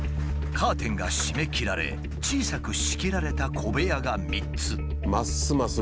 カーテンが閉めきられ小さく仕切られた小部屋が３つ。